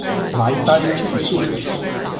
埋單計數